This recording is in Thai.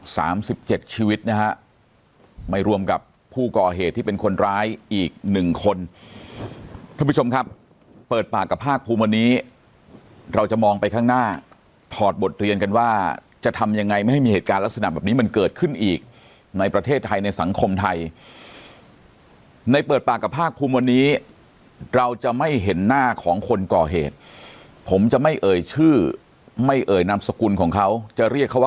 สามสิบเจ็ดชีวิตนะฮะไม่รวมกับผู้ก่อเหตุที่เป็นคนร้ายอีกหนึ่งคนท่านผู้ชมครับเปิดปากกับภาคภูมิวันนี้เราจะมองไปข้างหน้าถอดบทเรียนกันว่าจะทำยังไงไม่ให้มีเหตุการณ์ลักษณะแบบนี้มันเกิดขึ้นอีกในประเทศไทยในสังคมไทยในเปิดปากกับภาคภูมิวันนี้เราจะไม่เห็นหน้าของคนก่อเหตุผมจะไม่เอ่ยชื่อไม่เอ่ยนามสกุลของเขาจะเรียกเขา